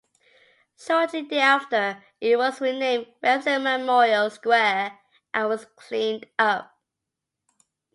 Shortly thereafter it was renamed Remsen Memorial Square and was cleaned up.